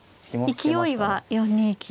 勢いは４二金。